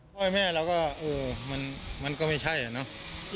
พ่อแม่เราก็เออมันก็ไม่ใช่อ่ะเนอะ